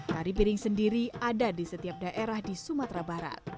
tari piring sendiri ada di setiap daerah di sumatera barat